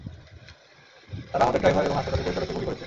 তারা আমাদের ড্রাইভার এবং হাসপাতালের পরিচালককে গুলি করেছে।